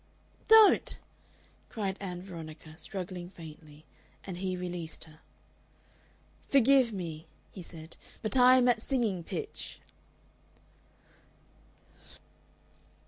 "Don't!" cried Ann Veronica, struggling faintly, and he released her. "Forgive me," he said. "But I am at singing pitch."